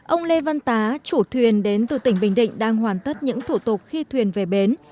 ông lê văn tá chủ thuyền đến từ tỉnh bình định đang hoàn tất những thủ tục khi thuyền về bến